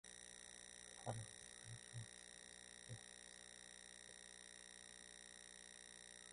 The following is a partial list of drug films and the substances involved.